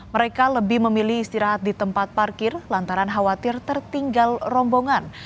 mereka lebih memilih istirahat di tempat parkir lantaran khawatir tertinggal rombongan